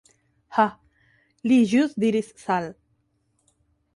Ha, li ĵus diris "Sal."